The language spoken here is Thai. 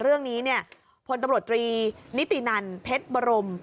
เรื่องนี้เนี่ยพลตำรวจตรีนิตินันเพชรบรม